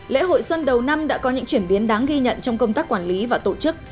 lễ hội xuân đầu năm đã có những chuyển biến đáng ghi nhận trong công tác quản lý và tổ chức